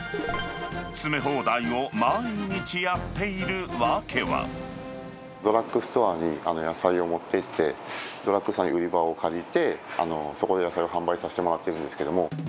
詰め放題を毎日やっている訳ドラッグストアに野菜を持って行って、ドラッグストアさんに売り場を借りて、そこで野菜を販売させてもらってるんですけれども。